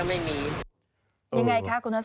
ไม่มีเกลี้ยงตัวกลับตัวหมุนอะไรก็ไม่มี